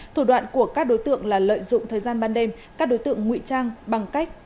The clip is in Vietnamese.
thủ đoạn của các đối tượng là lợi dụng thời gian ban đêm các đối tượng ngụy trang bằng cách